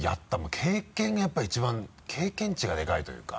経験がやっぱり一番経験値がでかいというか。